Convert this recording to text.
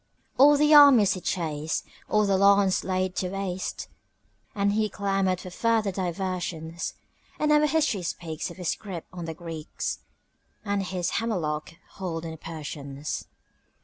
All the armies he'd chased, all the lands laid to waste, And he clamored for further diversions; And our history speaks of his grip on the Greeks And his hammerlock hold on the Persians.